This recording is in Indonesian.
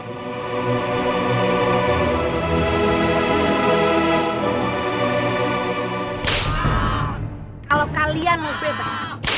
kalau kalian mau bebas